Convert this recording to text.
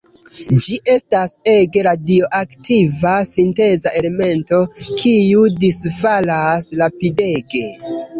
Ĝi estas ege radioaktiva sinteza elemento, kiu disfalas rapidege.